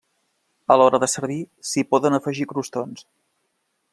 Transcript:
A l'hora de servir, s'hi poden afegir crostons.